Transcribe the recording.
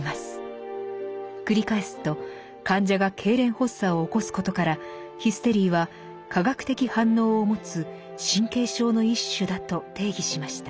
繰り返すと患者がけいれん発作を起こすことからヒステリーは科学的反応を持つ神経症の一種だと定義しました。